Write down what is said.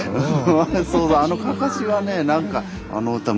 そうだあの「案山子」はね何か。